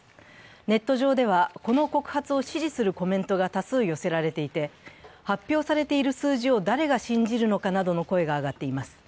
ネット上では、この告発を支持するコメントが多数寄せられていて、発表されている数字を誰が信じるのかなどの声が上がっています。